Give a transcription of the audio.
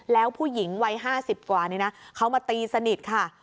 แล้วผู้หญิงวัยห้าสิบกว่านี้น่ะเขามาตีสนิทคะ